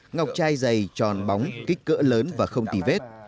ngọc chai dày tròn bóng kích cỡ lớn và không tì vết